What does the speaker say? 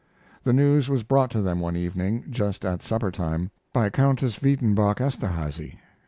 The news was brought to them one evening, just at supper time, by Countess Wydenbouck Esterhazy.